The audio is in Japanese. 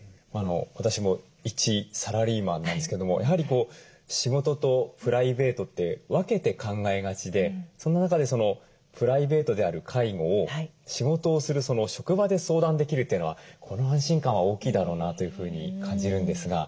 私も一サラリーマンなんですけどもやはり仕事とプライベートって分けて考えがちでその中でプライベートである介護を仕事をする職場で相談できるというのはこの安心感は大きいだろうなというふうに感じるんですが。